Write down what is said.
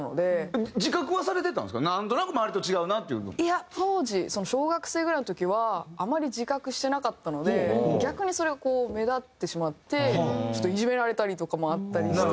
いや当時小学生ぐらいの時はあまり自覚してなかったので逆にそれがこう目立ってしまってちょっといじめられたりとかもあったりして。